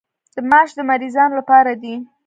ماش د مریضانو لپاره دي.